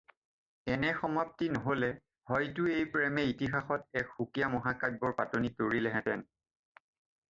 এনে সমাপ্তি নহ'লে হয়তো এই প্ৰেমে ইতিহাসত এখন সুকীয়া মহাকাব্যৰ পাতনি তৰিলেহেঁতেন।